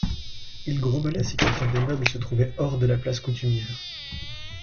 Il grommelait si quelqu'un des meubles se trouvait hors de la place coutumière.